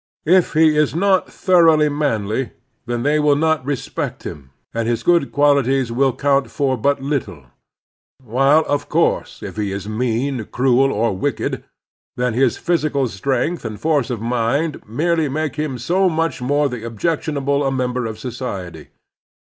If he is not thoroughly manly, then they will not respect him, and his good qualities will coimt for but little ; while, of course, if he is mean, cruel, or wicked, then his physical strength and force of mind merely make him so much the more objectionable a member of society.